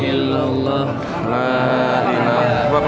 jika sudah terbara bara